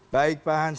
baik pak hans